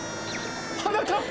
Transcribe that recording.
はなかっ